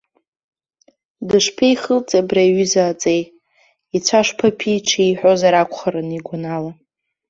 Дышԥеихылҵи абри иҩыза аҵеи, ицәа шԥаԥиҽи иҳәозар акәхарын игәаныла.